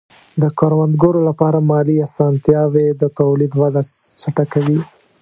د کروندګرو لپاره مالي آسانتیاوې د تولید وده چټکوي.